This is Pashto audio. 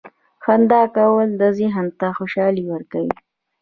• خندا کول ذهن ته خوشحالي ورکوي.